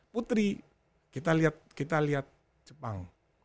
putri kita lihat jepang